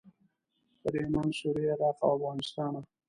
تر یمن، سوریې، عراق او افغانستانه.